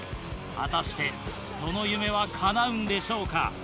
果たしてその夢はかなうんでしょうか。